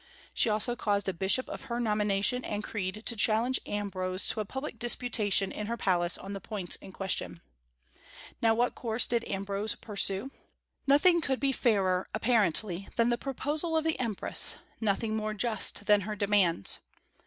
She also caused a bishop of her nomination and creed to challenge Ambrose to a public disputation in her palace on the points in question. Now what course did Ambrose pursue? Nothing could be fairer, apparently, than the proposal of the empress, nothing more just than her demands.